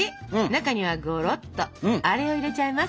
中にはごろっとアレを入れちゃいます！